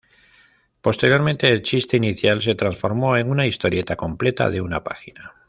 Posteriormente, el chiste inicial se transformó en una historieta completa de una página.